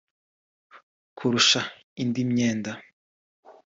kurusha indi myenda